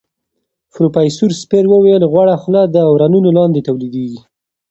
پروفیسوره سپېر وویل غوړه خوله د ورنونو لاندې تولیدېږي.